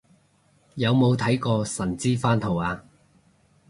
有冇睇過神之番號啊